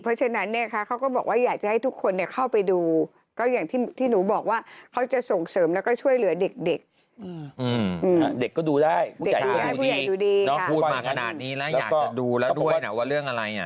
พูดมาขนาดนี้แล้วอยากจะดูแล้วด้วยว่าเรื่องอะไร